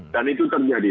dan itu terjadi